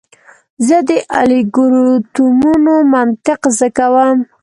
زه د الگوریتمونو منطق زده کوم.